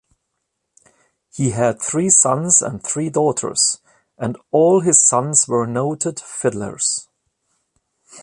He had three sons and three daughters, and all his sons were noted fiddlers.